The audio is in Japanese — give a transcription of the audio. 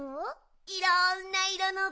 いろんないろのぶどう。